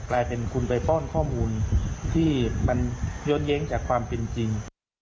กลายเป็นคุณไปป้อนข้อมูลที่มันย้อนเย้งจากความเป็นจริง